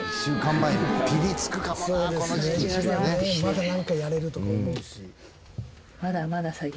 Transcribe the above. まだなんかやれるとか思うし。